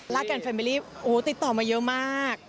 ลาแกนแฟมีลีติดต่อมาเยอะมาก